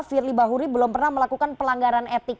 firly bahuri belum pernah melakukan pelanggaran etik